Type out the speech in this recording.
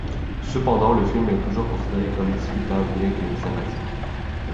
Cependant, le film est toujours considéré comme discutable bien que sympathique.